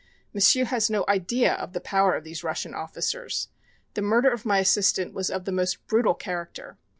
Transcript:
M'sieu' has no idea of the power of these Russian officers. The murder of my assistant was of the most brutal character.